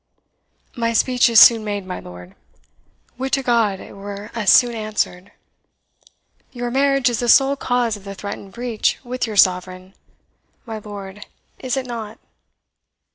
"My speech is soon made, my lord would to God it were as soon answered! Your marriage is the sole cause of the threatened breach with your Sovereign, my lord, is it not?"